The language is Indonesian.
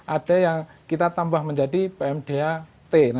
ada yang kita tambah menjadi pmdh t